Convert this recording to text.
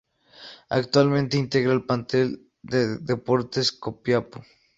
Actualmente integra el plantel de Deportes Copiapó.